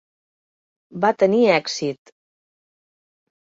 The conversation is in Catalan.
Va tenir èxit.